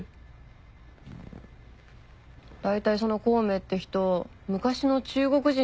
だいたいその孔明って人昔の中国人でしょ？